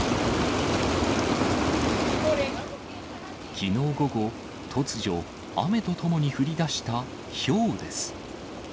きのう午後、突如、雨とともに降りだしたひょうです。